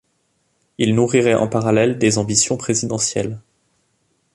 Il nourrirait en parallèle des ambitions présidentielles.